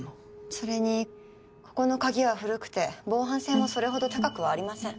それにここの鍵は古くて防犯性もそれほど高くはありません。